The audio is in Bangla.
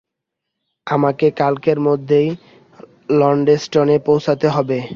আমাকে কালকের মধ্যেই লন্সেস্টনে পৌছাতে হবে।